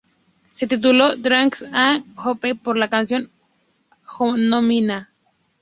Se tituló "Darkness And Hope" por la canción homónima.